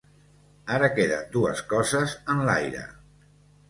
Ara queden dues coses en l’aire.